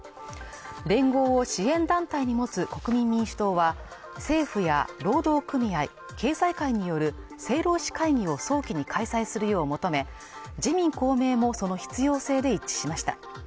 連合を支援団体に持つ国民民主党は政府や労働組合経済界による政労使会議を早期に開催するよう求め自民・公明もその必要性で一致しました。